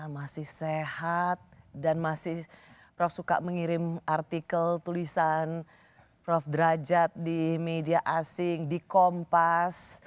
masih sehat dan masih prof suka mengirim artikel tulisan prof derajat di media asing di kompas